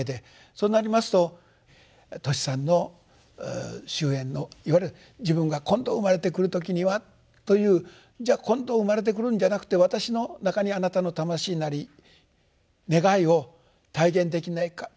そうなりますとトシさんの終えんのいわゆる自分が今度生まれてくる時にはというじゃあ今度生まれてくるんじゃなくて私の中にあなたの魂なり願いを体現できないだろうかと。